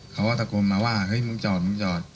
เขาก็ตะโกนมาว่าเฮ้ยมึงจอดมึงจอด